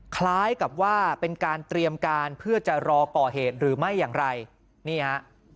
คล้ายกับว่าเป็นการเตรียมการเพื่อจะรอก่อเหตุหรือไม่อย่างไรนี่ฮะ